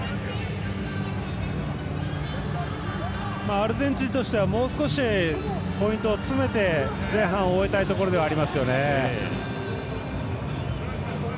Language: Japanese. アルゼンチンとしてはもう少しポイントを詰めて前半を終えたいところではありますよね。